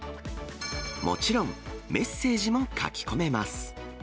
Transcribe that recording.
もちろん、メッセージも書き込めます。